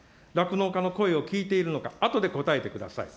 酪農家の声を聞いているのか、あとで答えてください。